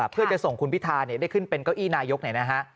เพื่อจะส่งคุณพิธาได้ขึ้นเป็นเก้าอี้นายกเนี่ยนะฮะ